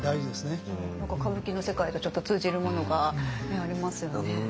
何か歌舞伎の世界とちょっと通じるものがありますよね。